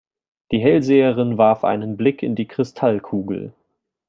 Die Hellseherin warf einen Blick in die Kristallkugel.